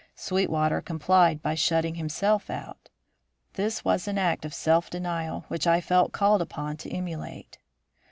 Sweetwater complied by shutting himself out. This was an act of self denial which I felt called upon to emulate.